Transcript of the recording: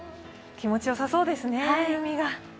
気持ちよさそうですね。